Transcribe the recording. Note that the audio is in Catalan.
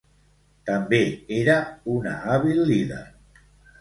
També era una hàbil líder.